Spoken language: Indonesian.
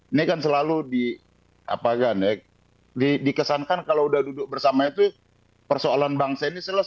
ini kan selalu dikesankan kalau sudah duduk bersama itu persoalan bangsa ini selesai